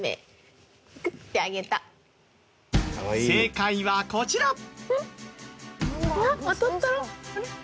正解はこちら。